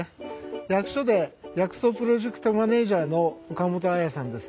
役所で薬草プロジェクトマネージャーの岡本文さんです。